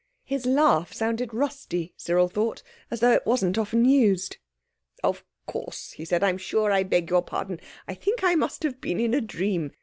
His laugh sounded rusty, Cyril thought, as though it wasn't often used. "Of course!" he said. "I'm sure I beg your pardon. I think I must have been in a dream.